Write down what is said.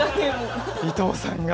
伊東さんが？